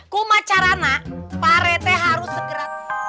kuma carana pak rete harus segera